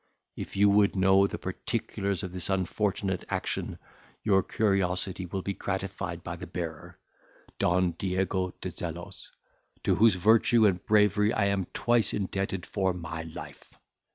If you would know the particulars of this unfortunate action, your curiosity will be gratified by the bearer, Don Diego de Zelos, to whose virtue and bravery I am twice indebted for my life.